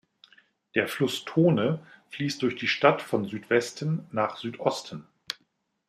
Der Fluss Tone fließt durch die Stadt von Südwesten nach Südosten.